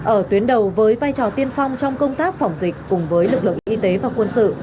ở tuyến đầu với vai trò tiên phong trong công tác phòng dịch cùng với lực lượng y tế và quân sự